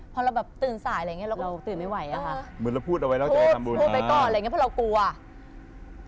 เพราะเราแบบตื่นสายอะไรอย่างเงี้ยเราตื่นไม่ไหวอ่ะค่ะพูดไปก่อนอะไรอย่างเงี้ยเพราะเรากลัว